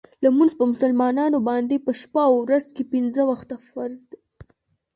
لمونځ په مسلمانانو باندې په شپه او ورځ کې پنځه وخته فرض دی .